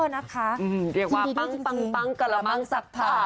เรียกว่าปั๊งปั๊งปั๊งกระมังสักผ่า